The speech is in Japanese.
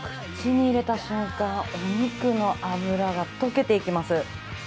口に入れた瞬間、お肉の脂が溶けていきます。